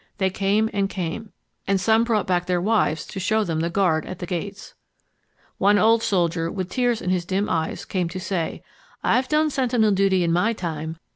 They came and came; and some brought back their wives to show them the guard at the gates. One old soldier with tears in his dim eyes came to say, "I've done sentinel duty in my time.